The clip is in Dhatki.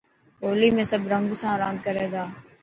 هولي ۾ سڀ رنگ سان راند ڪري ٿا.